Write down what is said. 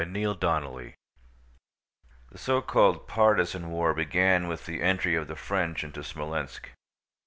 CHAPTER III The so called partisan war began with the entry of the French into Smolénsk.